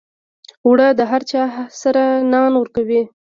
اوړه د هر چای سره نان ورکوي